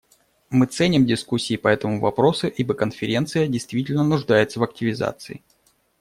Мы ценим дискуссии по этому вопросу, ибо Конференция действительно нуждается в активизации.